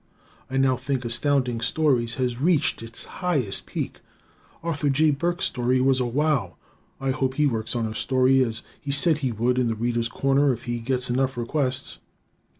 I now think Astounding Stories has reached its highest peak. Arthur J. Burks' story was a wow. I hope he works on a story as he said he would in "The Readers' Corner" if he gets enough requests.